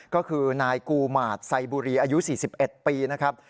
ก็คือนายกูหมาดไซบุรีอายุ๔๑ปีนะครับ